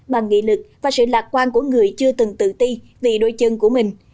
bằng nghị lực và sự lạc quan của người chưa từng tự ti vì đôi chân của mình